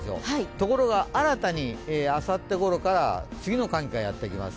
ところが新たにあさってごろから次の寒気がやってきます。